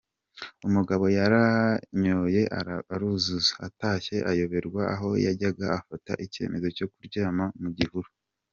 Umugabo yaranyoye aruzuza, atashye ayoberwa aho yajyaga afata icyemezo cyo kuryama mu gihuru.